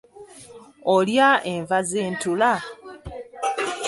Olya enva z'entula?